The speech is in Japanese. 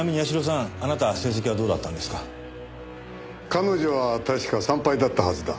彼女は確か三敗だったはずだ。